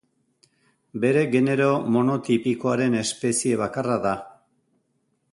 Bere genero monotipikoaren espezie bakarra da.